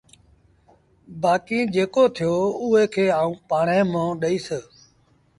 بآڪيٚݩ جيڪو ٿيو اُئي کي آئوݩ پآڻهي مݩهݩ ڏئيٚس